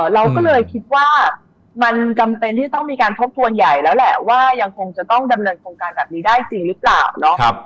เราก็เลยคิดว่ามันจำเป็นที่จะต้องมีการทบทวนใหญ่แล้วแหละว่ายังคงจะต้องดำเนินโครงการแบบนี้ได้จริงหรือเปล่าเนาะ